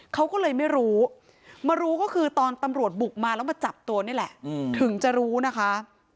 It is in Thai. เขาก็เลยไม่รู้มารู้ก็คือตอนตำรวจบุกมาแล้วมาจับตัวนี่แหละถึงจะรู้นะคะ